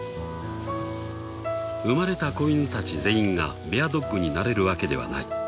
［生まれた子犬たち全員がベアドッグになれるわけではない］